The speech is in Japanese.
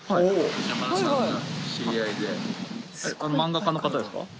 あの漫画家の方ですか？